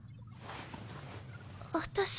私。